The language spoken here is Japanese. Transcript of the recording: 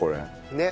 ねっ。